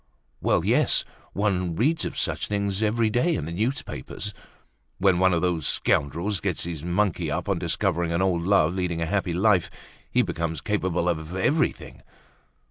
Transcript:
Well, yes! one reads of such things every day in the newspapers. When one of those scoundrels gets his monkey up on discovering an old love leading a happy life he becomes capable of everything.